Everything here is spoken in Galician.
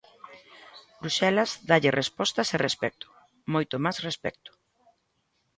Bruxelas dálles respostas e respecto, moito máis respecto.